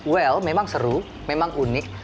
well memang seru memang unik